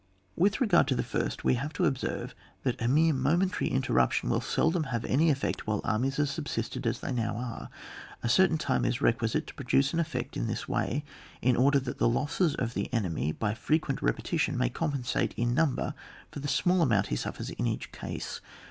With regard to the first, we have to observe that a mere momentary inter ruption will seldom have any effect while armies are subsisted as they now are ; a certain time is requisite to produce an effect in this way in order that the losses of the enemy by frequent repetition may compensate in number for the small amount he suffers in each case.